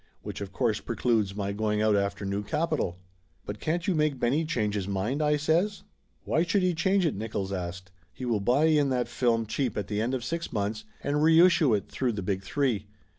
Which of course precludes my going out after new capital." "But can't you make Benny change his mind?" I says. "Why should he change it?" Nickolls asked. "He will buy in that film cheap at the end of six months, Laughter Limited 259 and reissue it through the Big Three.